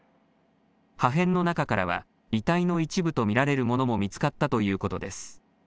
破片の中からは遺体の一部と見られるものも見つかったということです。